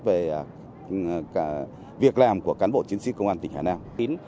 về việc làm của cán bộ chiến sĩ công an tỉnh hà nam